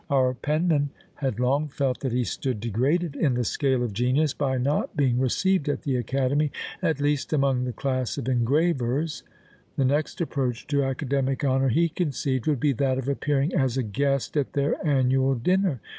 Our penman had long felt that he stood degraded in the scale of genius by not being received at the Academy, at least among the class of engravers; the next approach to academic honour he conceived would be that of appearing as a guest at their annual dinner.